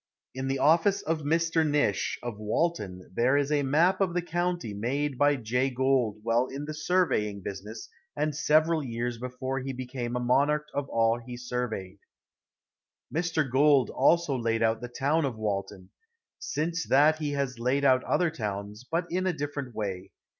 In the office of Mr. Nish, of Walton, there is a map of the county made by Jay Gould while in the surveying business, and several years before he became a monarch of all he surveyed. Mr. Gould also laid out the town of Walton. Since that he has laid out other towns, but in a different way.